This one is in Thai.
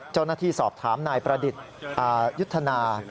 เจ้าหน้าที่สอบถามนายประดิษฐ์ยุทธนา